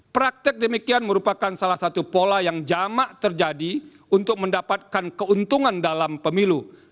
praktek demikian merupakan salah satu pola yang jamak terjadi untuk mendapatkan keuntungan dalam pemilu